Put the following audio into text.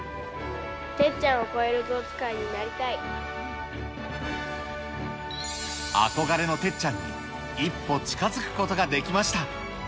てっちゃんを超える象使いに憧れのてっちゃんに一歩近づくことができました。